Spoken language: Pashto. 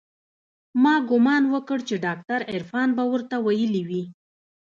ما ګومان وکړ چې ډاکتر عرفان به ورته ويلي وي.